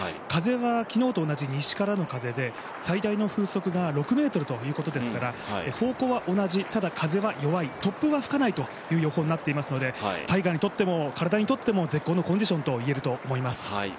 風は昨日と同じ西からの風で、最大の風速が６メートルということですから方向は同じ、ただ風は弱い、突風は吹かないという予報になっていますので、タイガーにとっても体にとっても絶好のコンディションと言えると思います。